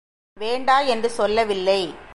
வேண்டா என்று சொல்லவில்லை.